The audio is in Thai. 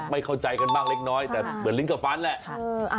ไม่เข้าใจกันบ้างเล็กน้อยแต่เหมือนลิ้นกับฟันแหละ